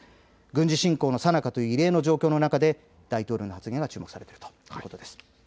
軍事侵攻のさなかという異例の状況の中で大統領の発言が注目されるということです。